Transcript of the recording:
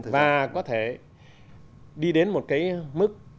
và có thể đi đến một cái mức